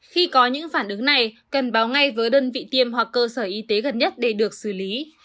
khi có những phản ứng này cần báo ngay với đơn vị tiêm hoặc cơ sở y tế gần nhất để được xử lý